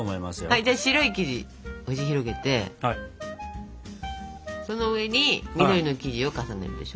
じゃあ白い生地押し広げてその上に緑の生地を重ねるでしょ？